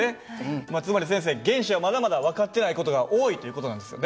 まあつまり先生原子はまだまだ分かってない事が多いという事なんですよね。